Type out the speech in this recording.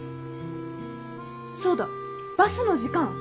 そうだバスの時間！